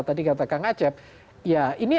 tadi kata kang acep ya ini